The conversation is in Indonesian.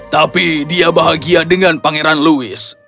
tapi dia bahagia dengan pangeran louis